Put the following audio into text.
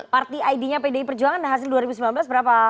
partai id nya pdi perjuangan hasil dua ribu sembilan belas berapa pak